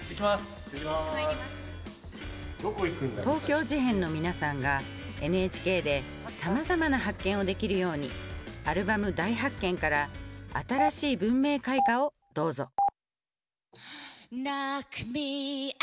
東京事変の皆さんがＮＨＫでさまざまな発見をできるようにアルバム「大発見」から「新しい文明開化」をどうぞ。